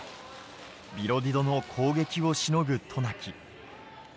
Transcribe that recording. ビロディドの攻撃をしのぐ渡名喜。